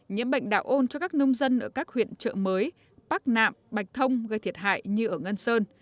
nhiễm bệnh đạo ôn cho các nông dân ở các huyện trợ mới bắc nạm bạch thông gây thiệt hại như ở ngân sơn